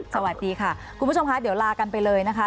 สวัสดีค่ะคุณผู้ชมค่ะเดี๋ยวลากันไปเลยนะคะ